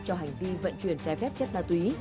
cho hành vi vận chuyển trái phép chất ma túy